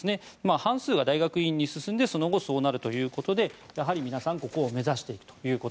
半数は大学院に進んでその後そうなるということでやはり皆さんここを目指していると。